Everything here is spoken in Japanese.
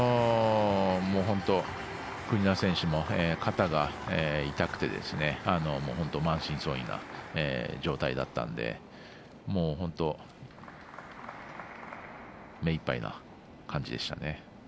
国枝選手の肩が痛くて満身創痍な状態だったので本当、目いっぱいな感じでしたね。